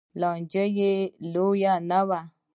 لانجه یې لویه نه وه